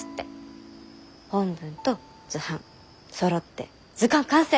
本文と図版そろって図鑑完成！